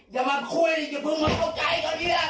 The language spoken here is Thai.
อย่ามาคุยอย่าเพิ่งมาเข้าใจตอนนี้นะ